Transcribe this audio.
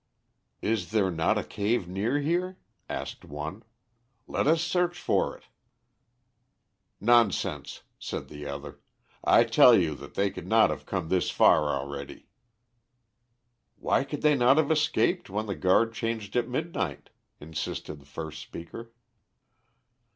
"Is there not a cave near here?" asked one. "Let us search for it!" "Nonsense," said the other. "I tell you that they could not have come this far already." "Why could they not have escaped when the guard changed at midnight?" insisted the first speaker.